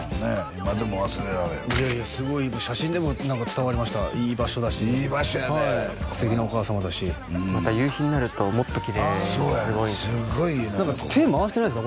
今でも忘れられんいやいやすごい写真でも伝わりましたいい場所だしいい場所やで素敵なお母様だしまた夕日になるともっときれいすごいそうやねんすっごいいいのよ手回してないですか？